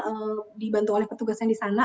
terus dibantu oleh petugasnya di sana